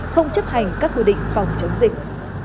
không chấp hành các quy định phòng chống dịch